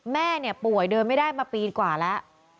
แม่เนี่ยป่วยเดินไม่ได้มาปีกว่าแล้ว